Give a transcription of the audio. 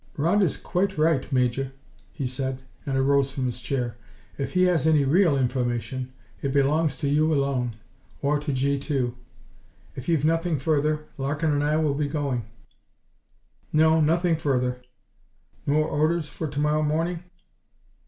"Rodd is quite right, Major," he said, and arose from his chair. "If he has any real information, it belongs to you alone or to G 2. If you've nothing further, Larkin and I will be going." "No, nothing further." "No orders for to morrow morning?"